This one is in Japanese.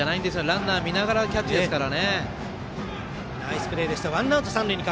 ランナー見ながらキャッチですから。